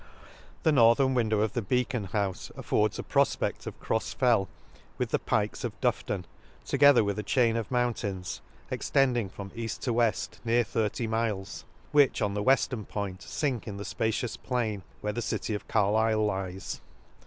—The northern window of the beacon houle affords a profpedl of Crofs Fell, with the Pikes of Dufton, together with 9, chain of mountains extending from eaft G 2 to> ^2 J« Excursion ^ to weft near thirty miles ; which on thd weftern point fink in the fpacious plain Where the city of Carlifle lies.